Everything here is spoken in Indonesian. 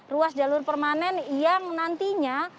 ruas jalur permanen yang nantinya